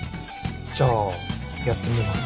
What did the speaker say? じゃあやってみます。